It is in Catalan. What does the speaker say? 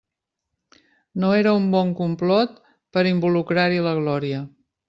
No era un bon complot per involucrar-hi la Glòria!